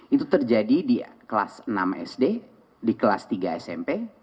itu terjadi di kelas enam sd di kelas tiga smp